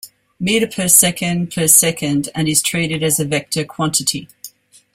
metre per second per second and is treated as a vector quantity.